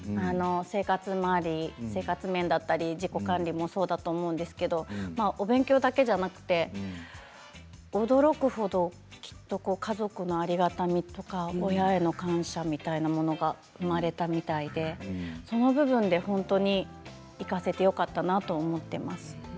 生活周り、生活面だったり自己管理もそうだと思うんですけどお勉強だけじゃなくて驚くほどきっと、家族のありがたみとか親への感謝みたいなものが生まれたみたいでその部分で本当に行かせてよかったなと思っています。